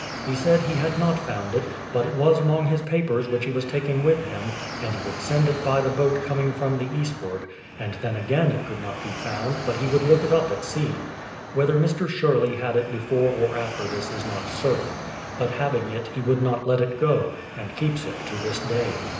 He said he had not found it, but it was among his papers which he was taking with him, and he would send it by the boat coming from the eastward ; and then again it could not be found, but he would look it up at sea. Whether Mr, Sher ley had it before or after this is not certain ; but having it, he would not let it go, and keeps it to this day.